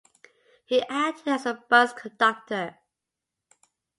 He acted as the bus conductor.